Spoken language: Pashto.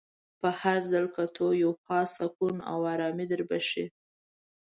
په هر ځل کتو یو خاص سکون او ارامي در بخښي.